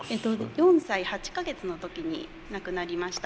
４歳８か月の時に亡くなりました。